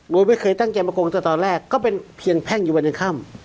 โดยไม่เคยตั้งใจมาโกงตั้งแต่ตอนแรกก็เป็นเพียงแพ่งอยู่บรรยากรรม